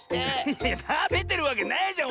いやたべてるわけないじゃん！